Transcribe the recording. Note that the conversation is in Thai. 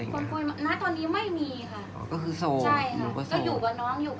อันไหนที่มันไม่จริงแล้วอาจารย์อยากพูด